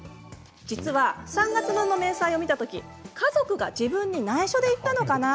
実は３月分の明細を見た時に家族が自分にないしょで行ったのかな？